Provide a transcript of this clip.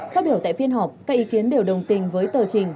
phát biểu tại phiên họp các ý kiến đều đồng tình với tờ trình